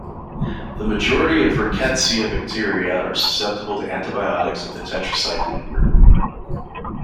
The majority of "Rickettsia" bacteria are susceptible to antibiotics of the tetracycline group.